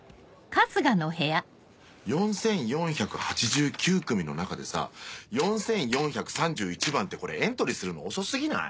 ４４８９組の中でさ４４３１番ってこれエントリーするの遅過ぎない？